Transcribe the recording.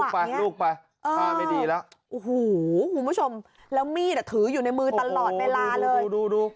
ฟังตรงนี้โอ้โหคุณผู้ชมแล้ามีดอะถืออยู่ในมือตลอดเวลาเลยโอ้โฮดู